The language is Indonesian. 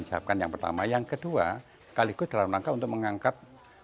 punya usaha artinya bisa diharapkan mereka punya satu prospek ke depan yang bisa dipanjangkan